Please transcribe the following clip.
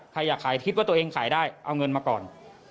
ใครอยากขายคิดว่าตัวเองขายได้เอาเงินมาก่อน